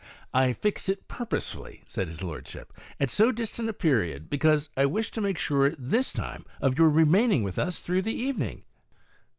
" I fix it purposely," said his lordship, "at so distant a period, be cause I wish to make sure this time of your remaining with us through the evening."